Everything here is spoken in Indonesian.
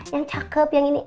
yang cakep yang ini